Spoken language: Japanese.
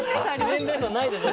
年齢差ないでしょ